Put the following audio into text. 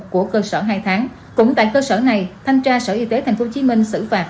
của cơ sở hai tháng cũng tại cơ sở này thanh tra sở y tế tp hcm xử phạt